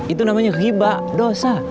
itu namanya hibak dosa